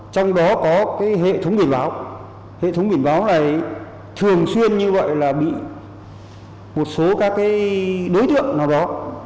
trong đó có hệ thống biển báo hệ thống biển báo này thường xuyên như vậy là bị một số các đối tượng nào đó